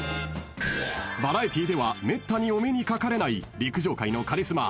［バラエティではめったにお目にかかれない陸上界のカリスマ